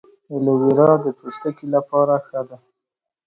ایلوویرا د پوستکي لپاره ښه ده